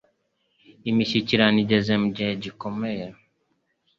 Imishyikirano igeze mu cyiciro gikomeye.